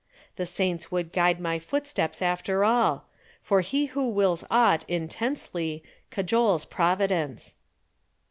The saints would guide my footsteps after all; for he who wills aught intensely cajoles Providence.